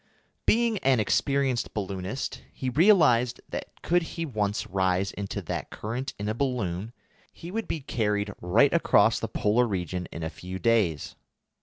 Being an experienced balloonist, he realised that, could he once rise into that current in a balloon, he would be carried right across the Polar region in a few days.